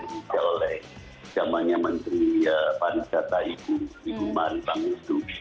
dicara oleh zamannya menteri pariwisata ibu maritang itu